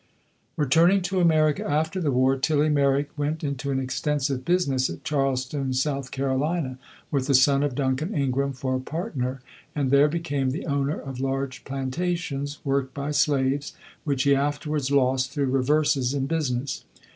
Returning to America after the war, Tilly Merrick went into an extensive business at Charleston, S. C., with the son of Duncan Ingraham for a partner, and there became the owner of large plantations, worked by slaves, which he afterwards lost through reverses in business.